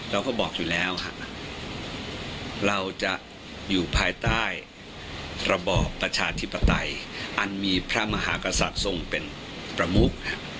เราก็บอกอยู่แล้วเราจะอยู่ภายใต้ระบอบประชาธิปไตยอันมีพระมหากษัตริย์ทรงเป็นประมุก